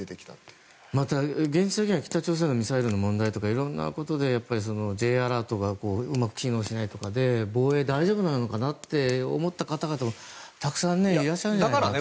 現実的には北朝鮮のミサイルの問題とかいろんなことでＪアラートがうまく機能しないとかで防衛は大丈夫なのかなと思った方もたくさんいらっしゃるんじゃないですかね。